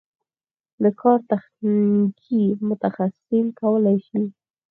دا کار تخنیکي متخصصین کولی شي.